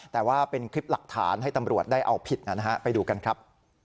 แต่ว่าเป็นคลิปหลักฐานให้ตำรวจได้เอาผิดนะฮะไปดูกันครับ